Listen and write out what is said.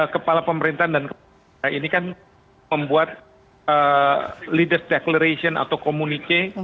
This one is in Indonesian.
kepala pemerintahan dan kepala daerah ini kan membuat leaders declaration atau communike